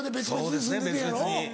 そうですね別々に。